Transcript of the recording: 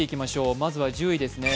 まずは１０位です。